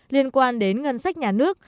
liên quan đến ngân sách nhà nước